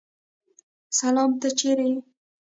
سلام ته څرې یې؟